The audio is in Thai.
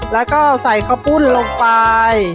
แล้วก็ใส่ข้าวปุ้นลงไป